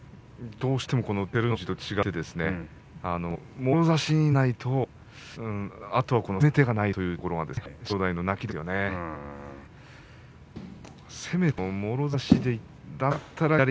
どうしても照ノ富士と違ってもろ差しになれないとあとは攻め手がないというところが正代の泣きどころですよね。